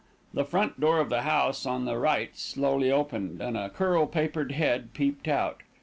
The front door of the house on the right slowly opened, and a curl papered head peeped out.